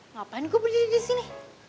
ngapain gue berdiri disini